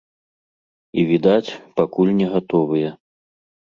І відаць, пакуль не гатовыя.